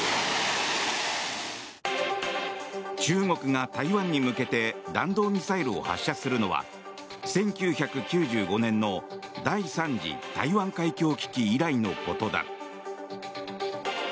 中国が台湾に向けて弾道ミサイルを発射するのは１９９５年の第３次台湾海峡危機以来のことだ。